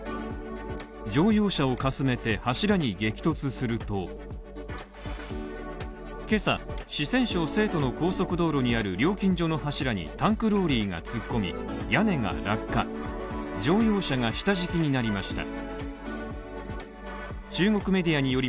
乗用車をかすめて柱に激突すると今朝、四川省成都の高速道路にある料金所の柱にタンクローリーが突っ込み屋根が落下、乗用車が下敷きになりました。